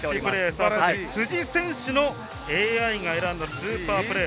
辻選手のＡＩが選んだスーパープレー。